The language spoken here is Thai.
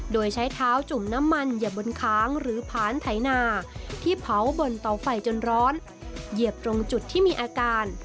โดยใช้เท้าจุ่มน้ำมันเหยียบบนค้างหรือผ่านไถนาที่เผาบนเตาไฟจนร้อนเหยียบตรงจุดที่มีอาการ